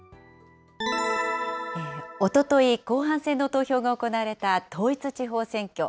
おととい、後半戦の投票が行われた統一地方選挙。